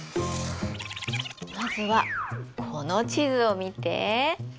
まずはこの地図を見て。